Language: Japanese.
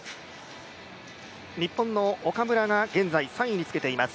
日本の岡村が現在３位につけています。